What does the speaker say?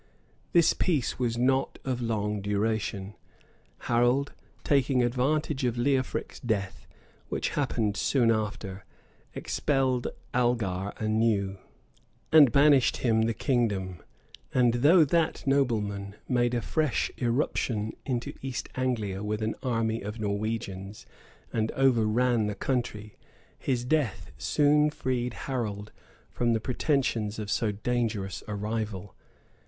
This peace was not of long duration: Harold, taking advantage of Leofric's death, which happened soon after, expelled Algar anew, and banished him the kingdom: and though that nobleman made a fresh irruption into East Anglia with an army of Norwegians, and overran the country, his death soon freed Harold from the pretensions of so dangerous a rival.